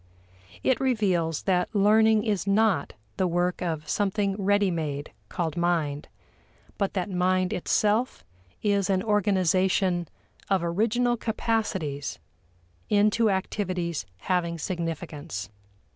It reveals that learning is not the work of something ready made called mind, but that mind itself is an organization of original capacities into activities having significance.